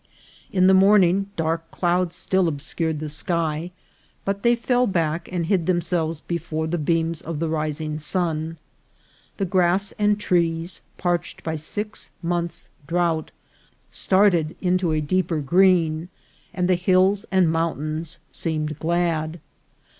In the morning dark clouds still obscured the sky, but they fell back and hid themselves before the beams of the rising sun. The grass and trees, parched by six months' drought, started into a deeper green, and the hills and mountains seemed glad.